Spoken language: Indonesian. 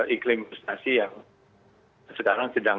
iklim investasi yang sekarang sedang